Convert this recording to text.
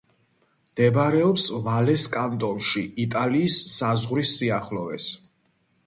მდებარეობს ვალეს კანტონში, იტალიის საზღვრის სიახლოვეს.